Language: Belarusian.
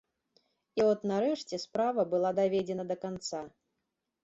І от нарэшце справа была даведзена да канца.